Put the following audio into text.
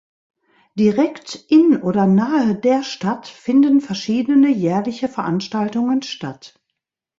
Direkt in oder nahe der Stadt finden verschiedene jährliche Veranstaltungen statt.